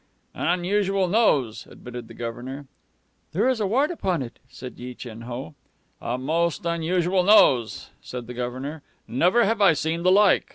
"An unusual nose," admitted the Governor. "There is a wart upon it," said Yi Chin Ho. "A most unusual nose," said the Governor. "Never have I seen the like.